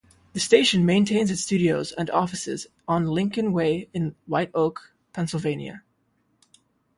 The station maintains its studios and offices on Lincoln Way in White Oak, Pennsylvania.